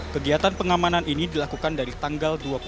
kegiatan pengamanan ini dilakukan dari tanggal